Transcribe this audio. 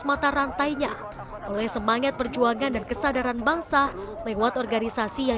mata rantainya oleh semangat perjuangan dan kesadaran bangsa lewat organisasi yang